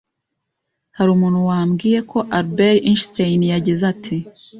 Hari umuntu wambwiye ko Albert Einstein yagize ati: